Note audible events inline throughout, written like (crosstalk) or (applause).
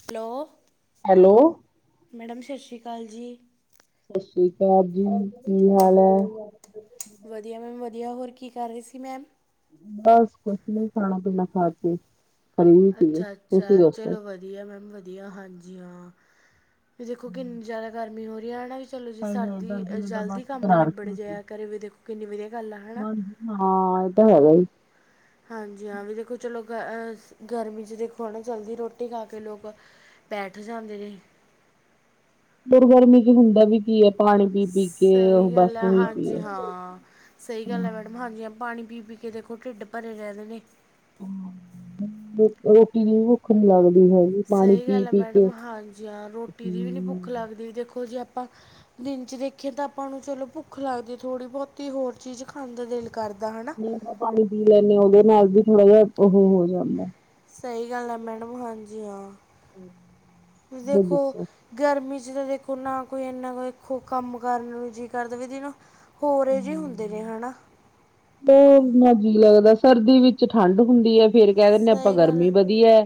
Hello hello madam ਸਤਿ ਸ਼੍ਰੀ ਅਕਾਲ ਜੀ ਸਤਿ ਸ੍ਰੀ ਅਕਾਲ ਜੀ ਕੀ ਹਾਲ ਹੈ ਵਧੀਆ ਮੈਮ ਵਧੀਆ ਹੋਰ ਕੀ ਕਰ ਰਹੀ ਸੀ ਮੈਮ ਬਸ ਕੁਛ ਨੀ ਖਾਣਾ ਪੀਣਾ ਖਾ ਕੇ ਖਰੀਦੀ ਪਏ ਅੱਛਾ ਅੱਛਾ ਤੁਸੀਂ ਦੱਸੋ ਚਲੋ ਵਧੀਆ ਮੈਮ ਵਧੀਆ ਹਾਂਜੀ ਹਾਂ ਵੀ ਦੇਖੋ ਕਿੰਨੀ ਜ਼ਿਆਦਾ ਗਰਮੀ ਹੋ ਰਹੀ ਹੈ ਹਨ ਨਾ ਚਲੋ ਜੀ ਹਾਏ ਹਾਏ ਸਰਦੀ ਗਰਮੀ ਨੇ ਤਾਂ ਬਸ ਜਲਦੀ ਕੰਮ ਕਰਾ ਰੱਖੀ ਨਿਬੜੇ ਜਿਹੇਹਾ ਕਰੇ ਵ ਦੇਖੋ ਕਿੰਨੀ ਵਧੀਆ ਗੱਲ ਆ ਹੈ ਨਾ ਹਾਂ ਇਹਏ ਤਾਂ ਹੈਗਾ ਹਾਂਜੀ ਹਾਂ ਵੀ ਦੇਖੋ ਚਲੋ ਗ ਗਰਮੀ ' ਦੇਖੋ ਹਨ ਨਾ ਚਲਦੀ ਰੋਟੀ ਖਾ ਕੇ ਲੋਕ ਬੈਠ ਜਾਂਦੇ ਨੇ ਦੁਰਗਰਮੀ ਚ ਹੁੰਦਾ ਵੀ ਕੀ ਹੈ ਪਾਣੀ ਪੀ ਪੀਕੇ ਉਹ ਸਹੀ ਗੱਲ ਬਸ ਹੈ ਉਓਹੀ ਹਾਂਜੀ ਪੀਏ ਹਾਂ। ਸਹੀ ਗੱਲ ਹੈ ਮੈਡਮ ਹਾਂਜੀ ਹ ਪਾਣੀ ਪੀ ਪੀ ਕੇ ਦੇਖੋ ਢਿੱਡ ਭਰੇ ਰਹਿਿੰਦੇ ਨੇ ਰੋਟੀ ਦੀ ਭੁੱਖ ਨੀ ਲੱਗਦੀ ਹੈਗੀ ਪਾਣੀ ਸਹੀ ਪੀ ਗੱਲ ਆ ਪੀ ਕੇ ਮੈਡਮ ਹਾਂਜੀ ਹਾਂ ਰੋਟੀ ਦੀ ਵੀ ਨੀ ਭੁੱਖ ਹਮ ਲੱਗਦੀ ਦੇਖੋ ਜੇ ਆਪਾਂ ਦਿਨ ਚ ਦੇਖੀਏ ਤਾਂ ਆਪਾਂ ਨੂੰ ਚਲੋ ਭੁੱਖ ਲੱਗਦੀ ਥੋੜ੍ਹੀ ਬਹੁਤੀ ਹੋਰ ਚੀਜ਼ ਖਾਣ ਦਾ ਦਿਲ ਕਰਦਾ ਹਨ ਪਾਣੀ ਪੀ ਲੈਂਦੇ ਹਾਂ ਉਹਦੇ ਨਾਲ ਵੀ ਥੋੜਾ ਜਿਹਾ ਉਹ ਹੋ ਜਾਂਦਾ ਸਹੀ ਗੱਲ ਹੈ ਮੈਡਮ ਹਾਂਜੀ ਹਾਂ ਤੁਸੀ ਹੋਰ ਦੇਖੋ ਦੱਸੋ ਗਰਮੀ ਚ ਤਾਂ ਦੇਖੋ ਨਾ ਕੋਈ ਇਨਾ ਕੋ ਖੋ ਕੰਮ ਕਰਨ ਨੂੰ ਜੀ ਕਰ ਦੇਵੇ ਨਾ ਹੋਰ ਇਹ ਜਿਹੇ ਹੁੰਦੇ ਨੇ ਹਨਾ ਬਹੁਤ ਮਜ਼ੀ ਲੱਗਦਾ ਸਰਦੀ ਵਿੱਚ ਠੰਡ ਹੁੰਦੀ ਹੈ ਫੇਰ ਕਹਿ ਦਿੰਣੇ ਆਪਾਂ ਸਹੀ ਗੱਲ ਗਰਮੀ ਹੈ ਵਧੀ ਏ?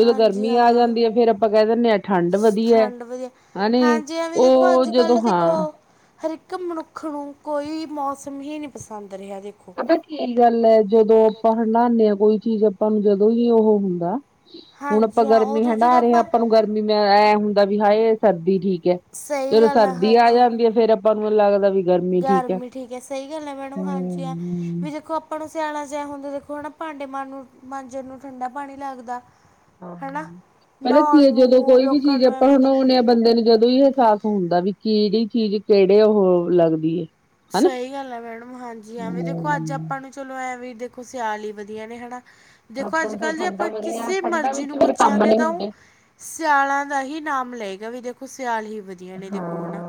ਜਦੋਂ ਗਰਮੀ ਆ ਹਾਂ ਜਾਂਦੀ ਹੈ ਫੇਰ ਆਪਾਂ ਕਹਿ ਦਿੰਣੇ ਹਾਂ ਠੰਡ ਵਧੀਆ। ਹੇ ਨੀ ਹਾਂਜੀ ਐਵੇਂ ਦੇਖੋ ਉਹ ਅੱਜ ਜਦੋਂ ਕੱਲ੍ਹ ਹਾਂ ਦੇਖੋ ਹਰ ਇੱਕ ਮਨੁੱਖ ਨੂੰ ਕੋਈ ਵੀ ਮੌਸਮ ਹੀ ਨਹੀਂ ਪਸੰਦ ਰਿਹਾ ਜੇ ਪਤਾ ਕੀ ਗੱਲ ਹੈ ਜਦੋਂ ਆਪਾ ਹੰਡਾਣੇ ਆਂ ਕੋਈ ਚੀਜ਼ ਆਪਾਂ ਨੂੰ ਜਦੋਂ ਹੀ ਉਹ ਹੁੰਦਾ ਹੁਣ ਆਪਾ ਹਾਂਜੀ ਹਾਂ ਗਰਮੀ ਉਦੋਂ ਹੰਢਾ ਜਦੋਂ ਰਹੇ ਹਾਂ ਆਪਾਂ ਆਪਾ ਨੂੰ ਗਰਮੀ ਮ ਐ ਹੁੰਦਾ ਵੀ ਹਾਏ ਸਰਦੀ ਠੀਕ ਏ ਸਹੀ ਜਦੋ ਗੱਲ ਸਰਦੀ ਆ ਹਾਂਜੀ ਜਾਂਦੀ ਹੈ ਫੇਰ ਆਪਾ ਨੂੰ ਲੱਗਦਾ ਵੀ ਗਰਮੀ ਠੀਕ ਹੈ ਸਹੀ ਗੱਲ ਏ ਮੈਡਮ ਹਾਂਜੀ ਏ ਹਮ ਵੀ ਦੇਖੋ ਆਪਾ ਨੂੰ ਸਿਆਲਾ ਚ ਏ ਹੁੰਦਾ ਦੇਖੋ ਹਨਾ ਭਾਂਡੇ ਮਾਂ ਨੂੰ ਮਾਂਜਣ ਨੂੰ ਠੰਡਾ ਪਾਣੀ ਲੱਗਦਾ ਹਾਂ ਹਨਾ? ਪਤਾ ਕੀ ਨਹਾਉਣ ਹੈ ਜਦੋਂ ਨੂੰ ਕੋਈ ਵੀ ਲੋਕਾਂ ਚੀਜ਼ ਨੂੰ ਆਪਾਂ ਐਵੇਂ ਹੁੰਦਾ ਬਣਾਉਣੇ ਆ ਬੰਦੇ ਨੂੰ ਜਦੋਂ ਹੀ ਅਹਿਸਾਸ ਹੁੰਦਾ ਵੀ ਕਿਹੜੀ ਚੀਜ਼ ਕਿਹੜੇ ਉਹ ਲੱਗਦੀ ਏ ਸਹੀ ਗੱਲ ਆ ਮੈਡਮ ਹਾਂਜੀ ਐਵੇਂ ਦੇਖੋ ਅੱਜ ਆਪਾਂ ਨੂੰ ਚਲੋ ਐ ਵੀ ਦੇਖੋ ਸਿਆਲ ਈ ਵਧੀਆ ਨੇ ਹੈਨਾ ਦੇਖੋ ਅੱਜ-ਕੱਲ ਜੇ ਆਪਾ ਕਿਸੇ ਮਰਜ਼ੀ ਨੂੰ ਪੁੱਛਾਂਗੇ ਤਾਂ ਓ ਸਿਆਲਾਂ ਦਾ ਹੀ ਨਾਮ ਲਏਗਾ ਵੀ ਦੇਖੋ ਸਿਆਲ ਹੀ ਵਧੀਆ ਨੇ ਦੇਖੋ ਹਨਾ।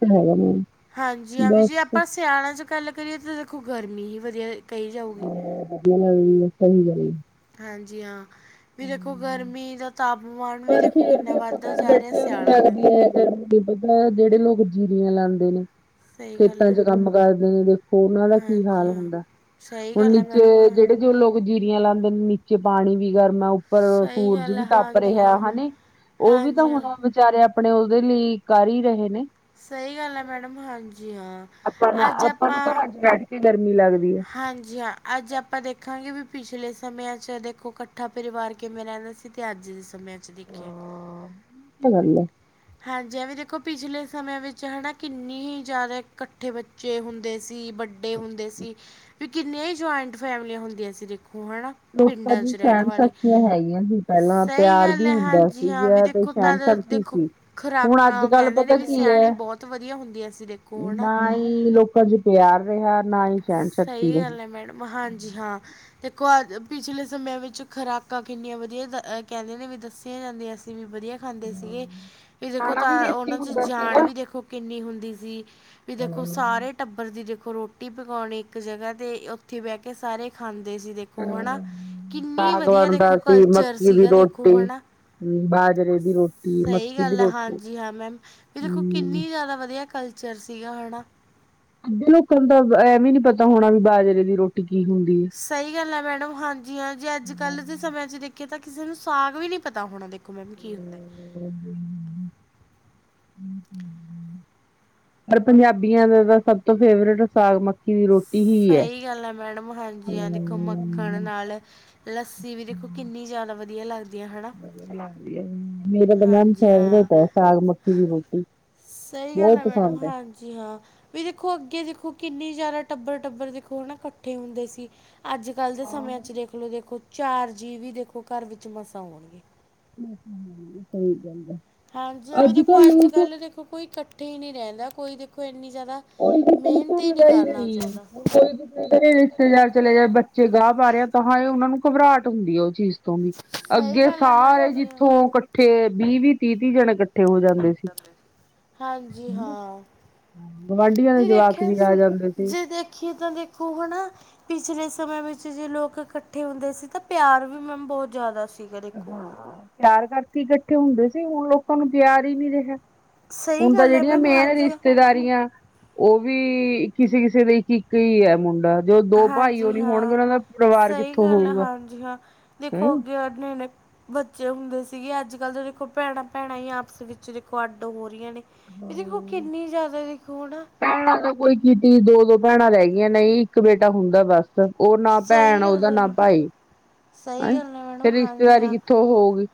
ਹੂੰ। ਹਾਂਜੀ ਹਾਂ ਵੀ ਜੇ ਆਪਾਂ ਸਿਆਣਾ ਚ ਗੱਲ ਕਰੀਏ ਤਾਂ ਦੇਖੋ ਗਰਮੀ ਈ ਵਧੀਆ ਏ। (inaudible) ਹਾਂਜੀ ਹਾਂ ਵੀ ਦੇਖੋ ਗਰਮੀ ਦਾ ਤਾਪਮਾਨ ਵੀ ਪਰ ਦੇਖੋ ਫੇਰ ਕਿੰਨਾ ਵੱਧਦਾ ਜਾ ਰੇਆ ਸਿਆਲ ਦਾ ਵੀ। ਤਾਨੂੰ ਤੇ ਪਤਾ ਜੇੜੇ ਲੋਕ ਜੀਰੀਆਂ ਲਾਂਦੇ ਨੇ। ਸਹੀ ਗੱਲ ਖੇਤਾਂ ਹੈ ਚ ਕੰਮ ਕਾਰਦੇ ਨੇ ਦੇਖੋ ਓਨਾਂ ਦਾ ਕੀ ਹਾਂਜੀ ਹਾਲ ਹਾਂ ਹੁੰਦਾ। ਸਹੀ ਹੁਣ ਗੱਲ ਹੈ ਨੀਚੇ ਮੈਡਮ ਹਾਂ ਜੇੜੇ-ਜੇੜੇ ਲੋਕ ਜੀਰੀਆਂ ਲਾਂਦੇ ਨੇ ਨੀਚੇ ਪਾਨੀ ਵੀ ਗਰਮ ਆ। ਉੱਪਰ ਸਹੀ ਸੂਰਜ ਗੱਲ ਹੈ ਵੀ ਤੱਪ ਹਾਂਜੀ ਰੇਆ ਹਾਂ ਹੈਨੀ ਓ ਵੀ ਤੇ ਹਾਂਜੀ ਹਾਂ ਹੁਣ ਵਿਚਾਰੇ ਆਪਣੇ ਓਦੇ ਲਈ ਕਰ ਈ ਰਹੇ ਨੇ। ਸਈ ਗੱਲ ਐ ਮੈਡਮ ਹਾਂਜੀ ਹਾਂ। ਆਪਾ ਨੂੰ ਆਪਾਂ ਨੂੰ ਕੱਰਾਂ ਚ ਬੈਠ ਕੇ ਗਰਮੀ ਲੱਗਦੀ ਐ। ਹਾਂਜੀ ਹਾਂ ਅੱਜ ਆਪਾ ਦੇਖਾਂਗੇ ਵੀ ਪਿਛਲੇ ਸਮਿਆਂ ਚ ਦੇਖੋ ਕੱਠਾ ਪਰਿਵਾਰ ਕਿਵੇਂ ਰੈੰਦਾ ਸੀ। ਤੇ ਅੱਜ ਦੇ ਸਮੇਂ ਚ ਦੇਖਿਆ। ਹਾਂ ਐ ਤਾਂ ਗੱਲ ਐ। ਹਾਂਜੀ ਐ ਵੀ ਦੇਖੋ ਪਿਛਲੇ ਸਮੇਂ ਵਿੱਚ ਹੈਨਾ ਕਿੰਨੇ ਹੀ ਜਾਂਦਾ ਕੱਠੇ ਬ ਚੇ ਹੁੰਦੇ ਸੀ ਬੱਡੇ ਹੁੰਦੇ ਸੀ ਤੇ ਕਿੰਨਿਆਂ ਈ ਜੁਆਇੰਟ ਫੈਮਲੀਆਂ ਹੁੰਦੀਆ ਸੀ ਦੇਖੋ ਹੈਨਾ ਲੋਕਾਂ ਪਿੰਡਾਂ ਦੀ ਚ ਰੈਣ ਸਹਿਣ ਵਾਲੇ ਸ਼ਕਤੀਆਂ ਹੈਗੀਆਂ ਸੀ ਪਹਿਲਾਂ ਸਈ ਪਿਆਰ ਗੱਲ ਵੀ ਐ ਹੁੰਦਾ ਹਾਂਜੀ ਹਾਂ ਵੀ ਸੀਗਾ ਤੇ ਦੇਖੋ ਸਹਿਣ ਤਦ ਸ਼ਕਤੀ ਦੇਖੋ ਸੀ। ਖਰਾ ਹੁਣ ਅੱਜ ਖੁਰਾਕਾਂ ਕੱਲ ਕੈਂਦੇ ਨੇ ਪਤਾ ਵੀ ਕੀ ਹੈ ਸਿਆਣੇ ਬੋਹਤ ਵਧੀਆ ਹੁੰਦੀਆਂ ਸੀ ਦੇਖੋ ਹੈਨਾ ਤੇ ਅੱਜ ਪਿਆਰ ਰੇਹਾ ਨਾ ਈ ਸਹਿਣ ਸ਼ਕਤੀ ਸਹੀ ਏ। ਗੱਲ ਹੈ ਮੈਡਮ ਹਾਂਜੀ ਹਾਂ ਦੇਖੋ ਅ ਪਿਛਲੇ ਸਮੇਆਂ ਵਿੱਚ ਖੁਰਾਕਾਂ ਕਿੰਨੀਆਂ ਵਧੀਆ ਕੈੰਦੇ ਨੇ ਵੀ ਦੱਸੀਆਂ ਜਾਂਦੀਆਂ ਸੀ। ਵੀ ਵਧੀਆ ਖਾਂਦੇ ਸੀਗੇ। ਵੀ ਦੇਖੋ ਤਾਂ ਓਨਾਂ 'ਚ ਜਾਨ ਵੀ ਦੇਖੋ ਕਿੰਨੀ ਹੁੰਦੀ ਸੀ ਵੀ ਦੇਖੋ ਸਾਰੇ ਟੱਬਰ ਦੀ ਦੇਖੋ ਰੋਟੀ ਪਕਾਓਣੀ ਇੱਕ ਜਗ੍ਹਾ ਤੇ ਓਥੇ ਬੈ ਕੇ ਸਾਰੇ ਖਾਂਦੇ ਸੀ ਦੇ ਖੋ ਹੈਨਾ ਕਿੰਨੀ ਸਾਗ ਵਧੀਆ ਬਣਦਾ ਦੇਖੋ ਕਲਚਰ ਸੀਗਾ ਦੇਖੋ ਹੈਨਾ ਹੂੰ ਬਾਜਰੇ ਦੀ ਰੋਟੀ ਮਕ ਗੱਲ ਆ ਹਾਂਜੀ ਹਾਂ ਮੈਮ ਵੀ ਦੇਖੋ ਕਿੰਨੀ ਜ਼ਿਆਦਾ ਵਧੀਆ ਕਲਚਰ ਸੀਗਾ ਹੈਨਾ ਅਧੇ ਲੋਕਾਂ ਨੂੰ ਤਾਂ ਐਵੀ ਨੀ ਪਤਾ ਹੋਣਾ ਵੀ ਬਾਜਰੇ ਦੀ ਰੋਟੀ ਕੀ ਹੁੰਦੀ ਹੈ। ਸਈ ਗੱਲ ਆ ਮੈਡਮ ਹਾਂਜੀ ਹਾਂ ਜੇ ਅੱਜ-ਕੱਲ ਦੇ ਸਮੇ ਚ ਦੇਖ ਕਿ ਤਾਂ ਕਿਸੇ ਨੂੰ ਸਾਗ ਵੀ ਨੀ ਪਤਾ ਹੋਣਾ ਦੇਖੋ ਮੈਮ ਕੀ ਹੁੰਦਾ (unintelligible) ਹੂੰ ਓਰ ਪੰਜਾਬੀਆਂ ਦਾ ਤਾਂ ਸਭ ਤੋ ਫੇਵਰੇਟ ਸਾਗ ਮਕ ਕੀ ਦੀ ਰੋਟੀ ਹੀ ਹੈ। ਸਈ ਗੱਲ ਐ ਮੈਡਮ। ਹਾਂਜੀ ਐ ਤੇ ਮੱਖਣ ਨਾਲ ਲੱਸੀ ਵੀ ਦੇਖੋ, ਕਿੰਨੀ ਜ਼ਿਆਦਾ ਵਧੀਆ ਲੱਗਦੀ ਆ, ਹੈਨਾ। ਬਣਾਦੀ ਐ ਮੇਰਾ ਤੇ ਮੈਮ, ਫੇਵਰੇਟ ਐ ਸਾਗ-ਮੱਕੀ ਦੀ ਰੋਟੀ। ਸਈ ਗੱਲ ਬਹੁਤ ਐ ਮੈਡਮ ਪਸੰਦ ਹੈ। ਹਾਂਜੀ ਹਾਂ। ਵੀ ਦੇਖੋ ਅੱਗੇ ਦੇਖੋ ਕਿੰਨੀ ਜਾਦਾ ਟੱਬਰ-ਟੱਬਰ ਦੇਖੋ ਹੈਨਾ ਕੱਠੇ ਹੁੰਦੇ ਸੀ। ਅੱਜ ਕੱਲ ਦੇ ਸਮੇ ਚ ਦੇਖਲੋ, ਦੇਖੋ ਚਾਰ ਜੀ ਵੀ ਦੇਖੋ ਕੱਰ ਵਿੱਚ ਮਸਾਂ ਹੋਣਗੇ। ' (inaudible) ' ਸਈ ਗੱਲ ਐ। ਹਾਂਜੀ, ਐਵੇਂ ਦੇਖੋ, ਅੱਜ-ਕੱਲ੍ਹ ਦੇਖੋ, ਕੋਈ ਕੱਠੇ ਹੀ ਨਹੀਂ ਰਹਿੰਦਾ ਕੋਈ ਦੇਖੋ ਕੋਈ ਐਨੀ ਜ਼ਿਆਦਾ ' (inaudible) ' ਮਿਹਨਤ ਹੀ ਨਹੀਂ ਲੜਾਈ ਕਰਨਾ ਹੋਈ ਚਾਹੁੰਦਾ ਕੋਈ ' (inaudible) ' ਰਿਸ਼ਤੇਦਾਰ ਚਲੇ ਗਏ, ਬੱਚੇ ਗਾਹ ਪਾ ਰਿਹਾ ਤਾਂ ਹਾਂ, ਉਹਨਾ ਨੂੰ ਘਬਰਾਹਟ ਹੁੰਦੀ ਹੈ, ਓ ਚੀਜ਼ ਸਹੀ ਅੱਗੇ ਗੱਲ ਆ ਸਾਰੇ ਹਾਂਜੀ ਹਾਂ ਜਿੱਥੋਂ ਕੱਠੇ ਵੀਹ-ਵੀਹ ਤੀਹ-ਤੀਹ ਜਣੇ ਇਕੱਠੇ ਹੋ ਜਾਂਦੇ ਸੀ। ਹਾਂਜੀ ਹਾਂ। ਗਵਾਂਢੀਆਂ ਦੇ ਜਵਾਕ ਵੀ ਆ ਜਾਂਦੇ ਸੀ। ਦੇਖੀਆ ਤਾਂ ਦੇਖੋ ਹੈਨਾ। ਪਿਛਲੇ ਸਮੇਂ ਵਿੱਚ ਜੇ ਲੋਕ ਇਕੱਠੇ ਹੁੰਦੇ ਸੀ ਤਾਂ ਪਿਆਰ ਵੀ ਮੈਮ ਬਹੁਤ ਜ਼ਿਆਦਾ ਸੀ। ਹਾਂ ਪਿਆਰ ਕਰਕੇ ਇਕੱਠੇ ਹੁੰਦੇ ਸੀ, ਹੁਣ ਲੋਕਾਂ ਨੂੰ ਪਿਆਰ ਹੀ ਨੀ ਰਿਹਾ। ਸਹੀ ਹੁਣ ਤਾਂ ਗੱਲ ਹੈ ਜਿਹੜੀਆਂ ਮੈਮ ਮੇਨ ਹਾਂਜੀ ਹਾਂ ਰਿਸ਼ਤੇਦਾਰੀਆਂ ਉਹ ਵੀ ਕਿਸੇ-ਕਿਸੇ ਦੇ ਇੱਕ ਹੀ ਐ ਮੁੰਡਾ ਜੋ ਦੋ ਭਾਈ ਉਹ ਹਾਂਜੀ ਨੀ ਹੋਣਗੇ ਹਾਂ ਉਹਨਾਂ ਦਾ ਪਰਿਵਾਰ ਸਹੀ ਕਿੱਥੋਂ ਗੱਲ ਆ ਹੋਊਗਾ। ਹਾਂਜੀ ਹਾਂ ਦੇਖੋ ਹਮ (unintelligible) ਬੱਚੇ ਹੁੰਦੇ ਸੀਗੇ ਅੱਜ-ਕੱਲ੍ਹ ਤਾਂ ਦੇਖੋ ਭੈਣਾਂ-ਭੈਣਾਂ ਹੀ ਆਪਸ ਵਿੱਚ ਦੇਖੋ ਅੱਡ ਹੋ ਰਹੀਆਂ ਨੇ। ਇਹ ਦੇਖੋ ਕਿੰਨੀ ਜ਼ਿਆਦਾ ਦੇਖੋ ਹੈਨਾ। ਭੈਣਾਂ ਤਾਂ ਕੋਈ ਤਿੱਜੀ ਦੋ -ਦੋ ਭੈਣਾਂ ਰਹਿ ਗਈਆਂ, ਨਹੀਂ ਇੱਕ ਬੇਟਾ ਹੁੰਦਾ ਬਸ ਉਹ ਨਾ ਪੈੜ ਸਹੀ ਉਹਦਾ ਗੱਲ ਨਾ ਆ ਪਾਈ ਸਹੀ ਆਈ ਗੱਲ ਆ ਫੇਰ ਮੈਡਮ ਹਾਂਜੀ ਰਿਸ਼ਤੇਦਾਰੀ ਹਾਂ ਕਿੱਥੋਂ ਉਹ ਹੋਉਗੀ।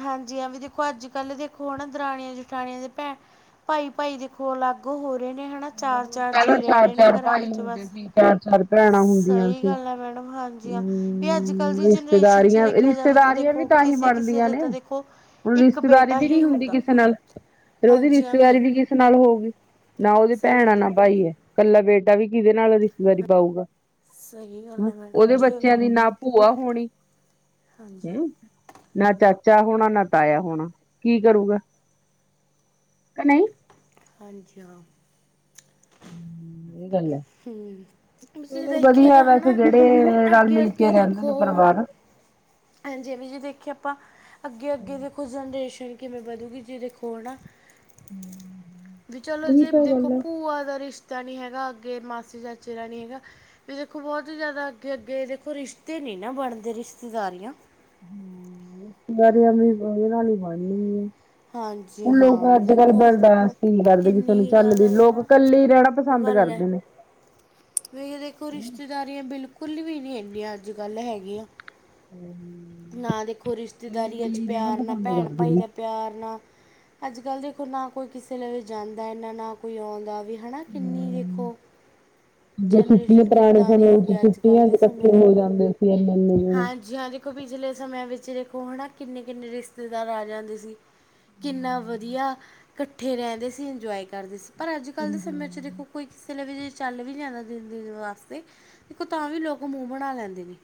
ਹਾਂਜੀ, ਆ ਵੀ ਦੇਖੋ, ਅੱਜ ਕੱਲ੍ਹ ਦੇਖੋ, ਹੈਨਾ ਦਰਾਣੀਆਂ- ਜਠਾਣੀਆਂ ਦੇ, ਭੈ ਭਾਈ-ਭਾਈ ਦੇ ਖੋ ਲਾਗੂ ਹੋ ਰਹੇ ਨੇ, ਹੈਂਨਾ। ਚਾਰ-ਚਾਰ ਪਹਿਲਾਂ ਜੀਅ ਰਹਿ ਚਾਰ ਰਹੇ ਨੇ ਚਾਰ ਘਰਾਂ ਭਾਈ ਵਿੱਚ ਹੁੰਦੇ ਬਸ। ਸੀ ਚਾਰ ਚਾਰ ਭੈਣਾਂ ਹੁੰਦੀਆਂ ਸਹੀ ਸੀ ਗੱਲ ਆ ਮੈਡਮ। ਹਾਂਜੀ, ਅ, ਵੀ ਅੱਜ-ਕੱਲ੍ਹ ਹਮ ਦੀ ਜਨਰੇਸ਼ਨ 'ਚ ਰਿਸ਼ਤੇਦਾਰੀਆਂ ਦੇਖਿਆ ਜਾਵੇ ਤਾਂ ਰਿਸ਼ਤੇਦਾਰੀਆਂ ਵੀ ਦੇਖੋ ਤਾਂ ਹੀ ਕਿਸੇ ਕਿਸੇ ਬਣਦੀਆਂ ਦੇ ਨੇ, ਤਾਂ ਦੇਖੋ ਹੁਣ ਇੱਕ ਰਿਸ਼ਤੇਦਾਰੀ ਬੇਟਾ ਵੀ ਨੀ ਹੀ ਹੁੰਦੀ ਹੁੰਦਾ ਕਿਸੇ ਨਾਲ। ਫਿਰ ਉਹਦੀ ਹਾਂਜੀ ਹਾਂ ਰਿਸ਼ਤੇਦਾਰੀ ਦੇਖ ਵੀ ਕਿਸ ਨਾਲ ਹੋਊਗੀ, ਨਾ ਉਹਦੀ ਸਹੀ ਭੈਣਾਂ ਨਾਲ। ਗੱਲ ਭਾਈ ਐ, ਕੱਲਾ ਬੇਟਾ ਵੀ ਕਿਹਦੇ ਨਾਲ ਰਿਸ਼ਤੇਦਾਰੀ ਪਾਊਗਾ? ਸਹੀ ਗੱਲ ਹੈ ਮੈਡਮ ਉਹਦੇ ਜੇ ਉਹਦੇ ਬੱਚਿਆਂ ਦੀ ਨਾ ਭੂਆ ਹੋਣੀ। ਹਾਂਜੀ ਹੂੰ ਨਾ ਚਾਚਾ ਹੋਣਾ, ਨਾ ਤਾਇਆ ਹੋਣਾ, ਕੀ ਕਰੂਗਾ, ਕ ਨਹੀਂ। ਹਾਂਜੀ, ਹਾਂ। ਏ ਗੱਲ ਐ। ਤੁਸੀਂ ਚਲੋ, ਦੇਖੀਏ ਵਧੀਆ ਤਾਂ ਹੈ ਵੈਸੇ, ਨਾ ਜਿਹੜੇ ਅੱਗੇ ਰਲ-ਮਿਲ ਕੇ ਅੱਗੇ ਰਹਿੰਦੇ ਨੇ ਦੇਖੋ ਪਰਿਵਾਰ। ਹਾਂਜੀ ਜਿਵੇਂ ਦੇਖੇ ਆਪਾਂ, ਅੱਗੇ-ਅੱਗੇ ਦੇਖੋ, ਜਨਰੇਸ਼ਨ ਕਿਵੇਂ ਵਧੂਗੀ ਜੀ, ਦੇਖੋ ਹੈਨਾ? ਵੀ ਚਲੋ ਉਹੀ ਜੇ ਤਾਂ ਦੇਖੋ, ਗੱਲ ਹੈ ਭੂਆ ਦਾ ਰਿਸ਼ਤਾ ਨੀ ਹੈਗਾ ਅੱਗੇ, ਮਾਸੀ-ਚਾਚੇ ਦਾ ਨੀ ਹੈਗਾ ਵੀ ਦੇਖੋ ਬਹੁਤ ਹੀ ਜ਼ਿਆਦਾ ਅੱਗੇ-ਅੱਗੇ ਦੇਖੋ ਰਿਸ਼ਤੇ ਨਹੀਂ ਨਾ ਬਣਦੇ ਰਿਸ਼ਤੇਦਾਰੀਆਂ ਹੰਮ (unintelligible) ਹਾਂਜੀ ਹੁਣ ਲੋਕ ਹਾਂ ਅੱਜ-ਕੱਲ੍ਹ ਦੇਖੋ ਬਰਦਾਸ਼ਤ ਨੀ ਕਰਦੇ ਕਿਸੇ ਕਿੰਨੀ ਨੂੰ ਹੀ ਚੱਲਦੇ ਜ਼ਿਆਦਾ ਲੋਕ ਹਨਾ ਕੱਲੇ ਹੀ ਰਹਿਣਾ। ਉਹ ਪਸੰਦ ਗੱਲ ਹੈ ਕਰਦੇ ਨੇ। ਵੀ ਦੇਖੋ ਰਿਸ਼ਤੇਦਾਰੀਆਂ ਬਿਲਕੁਲ ਵੀ ਨੀ ਇੰਨੀਆਂ ਅੱਜ-ਕੱਲ ਹੈਗੀਆਂ। ਹੂੰ ਨਾ ਦੇਖੋ ਰਿਸ਼ਤੇਦਾਰੀਆਂ ਚ ਪਿਆਰ ਨਾ ਪਸੰਦ ਭੈਣ ਕਰਦੇ ਭਾਈ ਨੇ ਦਾ ਪਿਆਰ ਨਾ, ਅੱਜ-ਕੱਲ੍ਹ ਦੇਖੋ ਨਾ ਕੋਈ ਕਿਸੇ ਲਈ ਵੀ ਜਾਂਦਾ ਇਨਾ ਨਾ ਕੋਈ ਆਉਂਦਾ ਵੀ ਹੈਣਾ ਕਿੰਨੀ ਵੇਖੋ। ਜੇ ਛੁੱਟੀਆਂ ਜਨਰੇਸ਼ਨ ਪੁਰਾਣੇ ਕਿੱਦਾਂ ਦੀ ਸਮੇਂ ਹੋ ਵਿੱਚ ਗਈ ਛੁੱਟੀਆਂ ਅੱਜ-ਕੱਲ੍ਹ ਚ ਦੇ ਸਮੇਂ ਇਕੱਠੇ ਹੋ ਦੇਖੋ, ਜਾਂਦੇ ਸੀ ਇੰਨੇ ਇੰਨੇ ਜਣੇ। ਹਾਂਜੀ-ਹਾਂਜੀ। ਪਿਛਲੇ ਸਮਿਆਂ ਵਿੱਚ ਦੇਖੋ ਹੈਨਾ ਕਿੰਨੇ-ਕਿੰਨੇ ਰਿਸ਼ਤੇਦਾਰ ਆ ਜਾਂਦੇ ਸੀ। ਕਿੰਨਾ ਵਧੀਆ, ਕੱਠੇ ਰਹਿੰਦੇ ਸੀ ਇੰਜੋਏ ਕਰਦੇ ਸੀ। ਪਰ ਅੱਜ ਕੱਲ੍ਹ ਦੇ ਸਮੇਂ ਚ ਦੇਖੋ ਕੋਈ ਕਿਸੇ ਨੇ ਵੀ ਜੇ ਚੱਲ ਵੀ ਜਾਂਦਾ ਦਿਨ-ਦਿਨ ਵਾਸਤੇ ਦੇਖੋ ਤਾਂ ਵੀ ਲੋਕ ਮੂੰਹ ਬਣਾ ਲੈਂਦੇ ਨੇ।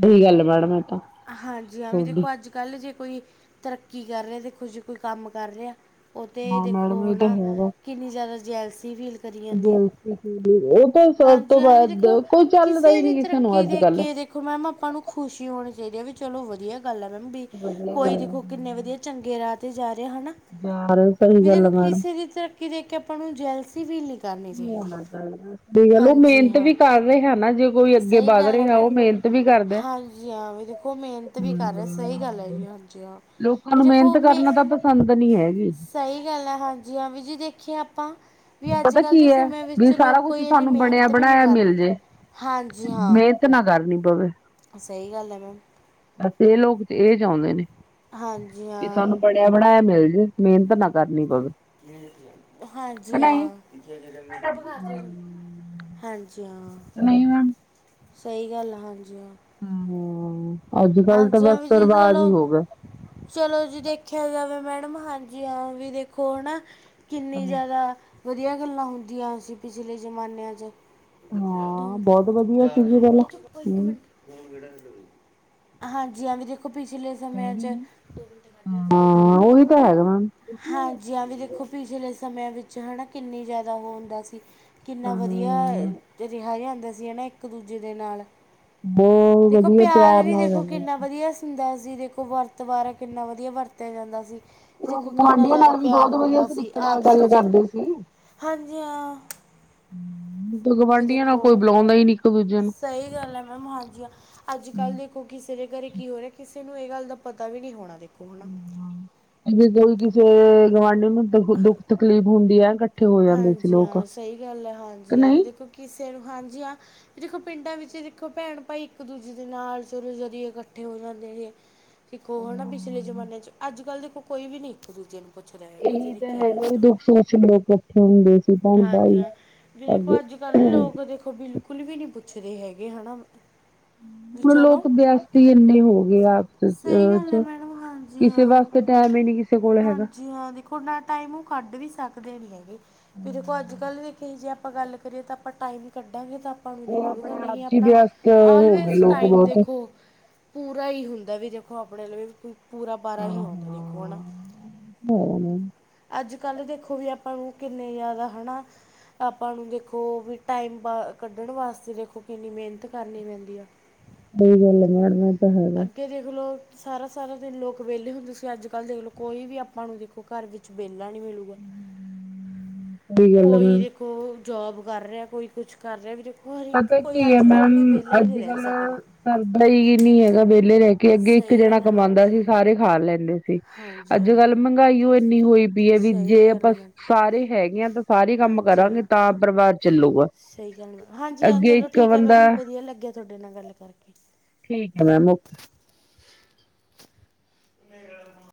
ਬਹੀ ਗਾੱਲ ਏ ਮੈਡਮ ਐ ਤਾਂ ਹਾਂਜੀ, ਹਾਂ ਵੀ ਤੁਹਾਡੀ। ਦੇਖੋ ਅੱਜ ਕੱਲ ਜੇ ਕੋਈ ਤਰੱਕੀ ਕਰ ਰੇਆ, ਦੇਖੋ ਜੇ ਕੋਈ ਕੰਮ ਕਰ ਰੇਆ ਓ ਤੇ ਹਾਂ ਦੇਖੋ ਮੈਡਮ ਇਹ ਤਾਂ ਹੈਣਾ ਹੈਗਾ। ਕਿੰਨੀ ਜਾਦਾ ਜੈਲਸੀ ਫੀਲ ਕਰੀ ਜਾਂਦੀ ਏ। ਓ ਤਾਂ ਸਭ ਤੋਂ ਬਾਦ ਦੇਖੋ ਕੋਈ ਚੱਲਦਾ ਈ ਦੀ ਨੀ ਕਿਸੇ ਨੂੰ ਤਰੱਕੀ ਦੇਖ ਅੱਜ-ਕੱਲ। ਕੇ ਦੇਖੋ ਮੈਮ ਆਪਾਂ ਨੂੰ ਖੁਸ਼ੀ ਹੋਣੀ ਚਾਈਦੀ ਐ ਵੀ ਚਲੋ ਵਦੀਆ ਗੱਲ ਐ ਮੈਮ ਵੀ ਕੋਈ ਦੇਖੋ ਕਿੰਨੇ ਵਧੀਆ ਚੰਗੇ ਰਾ ਤੇ ਜਾ ਰੇਐ ਹਨਾ, ਯਾਰ ਸਹੀ ਵੀ ਗੱਲ ਦੇਖੋ ਆ ਮੈਡਮ। ਕਿਸੇ ਦੀ ਤਰ ਤਰੱਕੀ ਦੇਖਕੇ ਆਪਾਂ ਨੂੰ ਜੈਲਸੀ ਫੀਲ ਨੀ ਕੀ ਹੋਨੈ ਗੱਲ ਦੱਸ। ਸਈ ਗੱਲ ਓ ਮੇਨਤ ਹਾਂ ਵੀ ਕਰ ਰੇ ਹੈ ਨਾ, ਜੇ ਕੋਈ ਅੱਗੇ ਸਹੀ ਵੱਧ ਗੱਲ ਰੇਆ ਹੈ, ਓ ਮੇਨਤ ਵੀ ਕਾਰਦੈ। ਤੇ ਓ ਮੇਨਤ ਵੀ ਕਾਰ ਰੇਐ, ਸਈ ਗੱਲ ਹੈ ਜੀ ਹਾਂਜੀ, ਹਾਂ। ਲੋਕਾਂ ਵੀ ਨੂੰ ਮੇਨਤ ਕਰਨਾ ਤਾਂ ਪਸਾੰਦ ਨੀ ਹੈਗੀ। ਸਈ ਗੱਲ ਐ ਹਾਂਜੀ ਹਾਂ, ਵੀ ਜੀ ਦੇਖੇਐ ਆਪਾਂ ਵੀ ਅੱਜ ਪਤਾ ਕੱਲ ਕੀ ਦੇ ਹੈ ਸਮੈਂ ਵੀ ਵਿੱਚ ਲੋਕ ਸਾਰਾ ਕੁਛ ਕੋਈ ਸਾਨੂੰ ਬਣਿਆ ਮੇਨਤ ਵੀ ਨੀ ਬਣਾਇਆ ਕਰਨੀ ਹਾਂਜੀ, ਹਾਂ। ਇਤ ਨਾ ਕਾਰਨੀ ਪਵੇ। ਸਈ ਗੱਲ ਐ, ਮੈਮ। ਬਾੱਸ ਏ ਲੋਕ ਏ ਚੋਂਦੇ ਨੇ। ਹਾਂਜੀ, ਹਾਂ। ਬਨਾ ਬਣਾਯਾ ਮੇਲ ਜੇ, ਮੇਨਤ ਨਾ ਕਾਰਨੀ ਪਵੇ। ਹਾਂਜੀ, ਹਾਂ। ਹਾਂਜੀ, ਹਾਂ। ਨਈ, ਮੈਮ। ਸਈ ਗੱਲ ਐ, ਹਾਂਜੀ, ਹਾਂ। ਹੂੰ, ਓ ਅੱਜ ਕੱਲ ਤਾਂ ਹਾਂਜੀ ਹਾਂ ਵੀ ਬਾੱਸ ਜੀ ਰਿਵਾਜ਼ ਚਲੋ ਈ ਹੋ ਗੇ। ਚਲੋ ਜੀ ਦੇਖੇਆ ਜਾਵੇ ਮੈਡਮ ਹਾਂਜੀ, ਹਾਂ ਵੀ ਦੇਖੋ ਹਣਾ ਕਿੰਨੀ ਜਾਦਾ ਵਧੀਆ ਗੱਲਾਂ ਹੁੰਦੀਆਂ ਸੀ ਪਿਛਲੇ ਜ਼ਮਾਨੇਆਂ ਚ। ਹਾਂ ਬਹੁਤ ਵਧੀਆ ਸੀਗੀ ਪਹਿਲਾਂ ਹੂੰ (unintelligible) ਹਾਂਜੀ-ਹਾਂਜੀ ਦੇਖੋ ਪਿਛਲੇ ਸਮੇਆਂ ਚ ਹਾਂ ਉਹੀ ਤਾਂ ਹੈਗਾ ਮੈਮ ਹਾਂਜੀ-ਹਾਂਜੀ, ਦੇਖੋ ਪਿਛਲੇ ਸਮੇਆਂ ਵਿੱਚ ਹਣਾ ਕਿੰਨੀ ਜਾਦਾ ਓ ਹੁੰਦਾ ਸੀ। ਕਿੰਨਾ ਵਧੀਆ ਰੇਆ ਗੇਆ ਹੁੰਦਾ ਸੀ ਨਾ ਇੱਕ ਦੂਜੇ ਦੇ ਨਾਲ। ਬੌ ਦੇਖੋ ਵਧੀਆ। ਪਿਆਰ ਨਾਲ ਦੇਖੋ ਰਹਿੰਦੇ ਕਿੰਨਾ ਸੀ। ਵਧੀਆ ਹੁੰਦਾ ਸੀ, ਦੇਖੋ ਵਰਤ ਵਾਰੇ ਕਿੰਨਾ ਵਧੀਆ ਵਰਤੇਆ ਜਾਂਦਾ ਸੀ। ਦੇਖੋ ਕਿੰਨਾ ਜਾਦਾ ਪਿਆਰ ਹੁੰਦਾ ਸੀ ਆਪਸ ਵਿੱਚ ਹਾਂਜੀ, ਹਾਂ। ਹੂੰ, ਗੁਆਂਢੀਆਂ ਨਾਲ ਕੋਈ ਬੁਲੋਂਦਾ ਨੀ। ਦੂਜੇ ਨੂੰ ਸਈ ਗੱਲ ਐ ਮੈਮ, ਹਾਂਜੀ, ਹਾਂ ਅੱਜ ਕੱਲ ਦੇ ਕਿਸੇ ਦੇ ਘਰੇ ਕੀ ਹੋ ਰੇਆ, ਕਿਸੇ ਨੂੰ ਏ ਗੱਲ ਦਾ ਪਤਾ ਵੀ ਨੀ ਹੋਣਾ ਦੇਖੋ ਹਣਾ ਜੇ ਕੋਈ ਕਿਸੇ ਗਵਾਂਢੀ ਨੂੰ ਦ ਦੁੱਖ ਤਕਲੀਫ਼ ਹੁੰਦੀ ਐ ਹਾਂਜੀ ਹਾਂ, ਸਈ ਗੱਲ ਐ ਕਿ ਹਾਂਜੀ ਹਾਂ, ਨਹੀਂ ਦੇਖੋ ਕਿਸੇ ਨੂੰ ਹਾਂਜੀ, ਹਾਂ। ਦੇਖੋ ਪਿੰਡਾਂ ਵਿੱਚ ਦੇਖੋ ਭੈਣ ਭਾਈ ਇੱਕ ਦੂਜੇ ਦੇ ਨਾਲ, ਚਲੋ ਜ਼ਰੀਏ ਇਕੱਠੇ ਹੋ ਜਾਂਦੇ ਨੇ। ਹ ਦੇਖੋ ਹਨਾ ਪਿਛਲੇ ਜ਼ਮਾਨੇ ਚ, ਅੱਜ-ਕੱਲ ਦੇਖੋ ਕੋਵੀ ਨੀ ਇੱਕ-ਦੂਜੇ ਨੂੰ ਪੁੱਛਦਾ ਹੈਗਾ ਜੇ ਏ ਤਾਂ ਦੇਖਿਆ ਹੈਗਾ ਜਾਵੇ ਵੀ ਤਾਂ ਦੁੱਖ-ਸੁੱਖ ਚ ਲੋਕ ਇਕੱਠੇ ਹੁੰਦੇ ਸੀ। ਭੈਣ ਹਾਂਜੀ, ਭਾਈ ਹਾਂ ਵੀ ਦੇਖੋ ਅੱਜ-ਕੱਲ ਲੋਕ ਦੇਖੋ ਬਿਲਕੁਲ ਵੀ ਨੀ ਪੁੱਛਦੇ ਹੈਗੇ ਹਣਾ। ਹੁਨ ਲੋਕ ਬੇਅਸਤ ਈ ਏਨੇ ਹੋਗੇ ਆਪਸ ਸਹੀ ਅ ਗੱਲ ਹੈ ਚ ਮੈਡਮ ਹਾਂਜੀ ਕਿਸੇ ਵਾਸਤੇ ਟੈਮ ਈ ਨੀ ਕਿਸੇ ਕੋਲ ਹੈਗਾ। ਜੀ ਹਾਂ ਦੇਖੋ ਨਾ ਟਾਈਮ ਓ ਕੱਢ ਵੀ ਸਾਕਦੇ ਨੀ ਹੈਗੇ। ਵੀ ਦੇਖੋ ਅੱਜ ਕੱਲ੍ਹ ਵੇਖੋ ਜੇ ਆਪਾਂ ਗੱਲ ਕਰੀਏ ਤਾਂ ਆਪਾਂ ਟਾਈਮ ਕੱਢਾਂਗੇ ਤਾਂ ਆਪਾਂ ਨੂੰ ਨਿਕਲੂਗਾ ਨਹੀਂ ਜੀ ਆਪਣਾ ਵਿਅਸਤ ਹੋ ਗਏ ਆਲਵੇਜ਼ ਲੋਕ ਟਾਈਮ ਬਹੁਤ ਦੇਖੋ ਪੂਰਾ ਹੀ ਹੁੰਦਾ ਵੀ ਦੇਖੋ ਆਪਣੇ ਲਈ ਵੀ ਪੂਰਾ ਪਾਰਾਂ ਹੀ ਆਉਂਦਾ ਦੇਖੋ ਹਨਾ ਅੱਜ ਕੱਲ੍ਹ ਦੇਖੋ ਵੀ ਆਪਾਂ ਨੂੰ ਕਿੰਨੇ ਜੈਦਾ ਹਣਾ। ਆਪਾਂ ਨੂੰ ਦੇਖੋ ਵੀ ਟਾਈਮ ਬਾ ਕੱਢਣ ਵਾਸਤੇ ਦੇਖੋ ਕਿੰਨੀ ਮੇਨਤ ਕਰਨੀ ਪੈਂਦੀ ਏ। ਸਹੀ ਗੱਲ ਆ ਮੈਡਮ ਇਹ ਤਾ ਹੈਗਾ। ਫੇਰ ਦੇਖ ਲੋ ਸਾਰਾ ਸਾਰਾ ਦਿਨ ਲੋਕ ਵਿਹਲੇ ਹੁੰਦੇ ਸੀਂ ਅੱਜ ਕੱਲ੍ਹ ਦੇਖ ਲਓ ਕੋਈ ਵੀ ਆਪਾਂ ਨੂੰ ਦੇਖੋ ਘਰ ਵਿੱਚ ਵੇਹਲਾ ਨਹੀਂ ਮਿਲੂ ਸਹੀ ਗੱਲ ਹੈ ਕੋਈ ਮੈਮ ਦੇਖੋ ਜੌਬ ਕਰ ਰਿਹਾ ਕੋਈ ਕੁਛ ਕਰ ਰਹੇ ਵੀ ਦੇਖੋ ਹਰ ਪਤਾ ਇੱਕ ਕੋਈ ਅੱਜ ਕੱਲ੍ਹ ਕੋਈ ਵੇਹਲਾ ਹੀ ਨਹੀਂ ਰਹਿ ਸਕਦਾ। ਕਰਦਾ ਹੀ ਨਹੀਂ ਹੈਗਾ ਵਿਹਲੇ ਰਹਿ ਕੇ ਅੱਗੇ ਇੱਕ ਸਹੀ ਜਣਾ ਗੱਲ ਕਮਾਂਦਾ ਹਾਂਜੀ ਸੀ ਸਾਰੇ ਖਾ ਲੈਂਦੇ ਸੀ। ਹਾਂਜੀ ਅੱਜ ਹਾਂ ਕੱਲ ਮਹਿੰਗਾਈ ਉਹ ਏਨੀ ਹੋਈ ਏ ਵੀ ਸਹੀ ਜੇ ਗੱਲ ਆਪਾਂ ਹੈ ਮੈਮ ਸਾਰੇ ਹੈਗੇ ਹਾ ਤਾਂ ਸਾਰੇ ਕੰਮ ਹਾਂਜੀ ਕਰਾਂਗੇ ਹਾਂ ਤਾਂ ਪਰਵਾਰ ਚੱਲੂਗਾ। ਸਹੀ ਗੱਲ ਮੈਮ ਹਾਂਜੀ ਹਾਂ ਅੱਗੇ ਚਲੋ ਇੱਕ ਠੀਕ ਹੈ ਬੰਦਾ ਮੈਮ ਵਧੀਆ ਲੱਗਿਆ ਤੁਹਾਡੇ ਨਾਲ ਗੱਲ ਕਰਕੇ। ਠੀਕ ਹੈ ਮੈਮ ਓਕੇ। ਹਾਂ (unintelligible)